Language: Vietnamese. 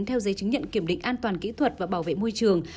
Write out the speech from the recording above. theo giấy chứng nhận kiểm định an toàn kỹ thuật và bảo vệ môi trường